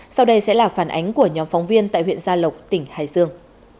sau đây sẽ là phản ánh của nhóm phóng viên tại huyện gia lộc tỉnh hải dương